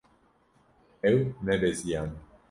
Ew nebeziyane.